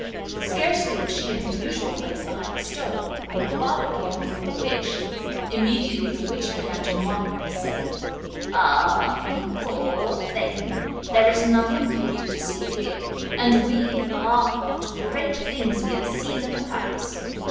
Scarcely was she in her usual place behind the stove when her father came home with the witch. Immediately the witch began to mock her, saying: 'Ah! you poor thing, there is nothing for you to see here, and we—ah: what great things we have seen at the palace!